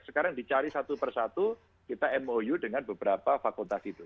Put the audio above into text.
sekarang dicari satu persatu kita mou dengan beberapa fakultas itu